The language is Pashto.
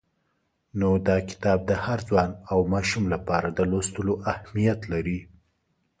نو دا کتاب د هر ځوان او ماشوم لپاره د لوستلو اهمیت لري.